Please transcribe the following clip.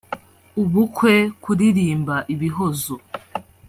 ubukwe kuririmba ibihozo